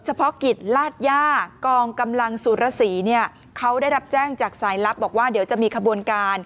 เฉพาะกิจลาดย่ากองกำลังสุรสีเนี่ยเขาได้รับแจ้งจากสายลับบอกว่าเดี๋ยวจะมีขบวนการ